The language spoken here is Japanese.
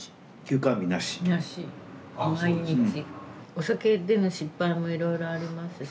お酒での失敗もいろいろありますし。